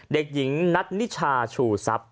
เด็กหญิงนัตนิชาชู่ซับ